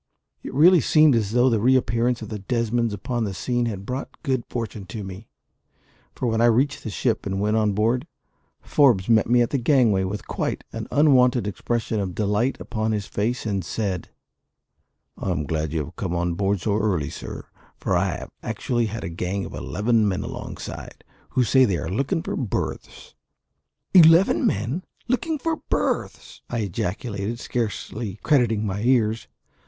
It really seemed as though the reappearance of the Desmonds upon the scene had brought good fortune to me; for when I reached the ship and went on board, Forbes met me at the gangway with quite an unwonted expression of delight upon his face, and said "I am glad you have come on board so early, sir; for I have actually had a gang of eleven men alongside, who say they are looking for berths." "Eleven men! looking for berths!" I ejaculated, scarcely crediting my ears.